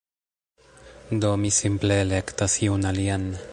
Do, mi simple elektas iun alian